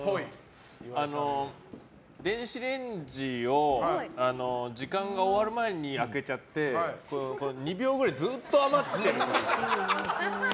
電子レンジを時間が終わる前に開けちゃって２秒ぐらいずっと余ってるっぽい。